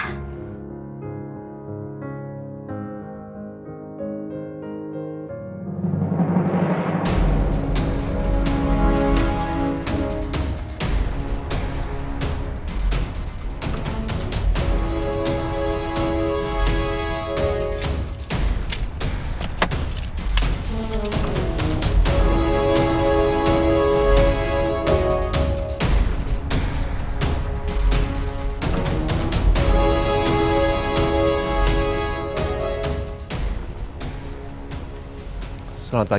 biasanya dia tak padre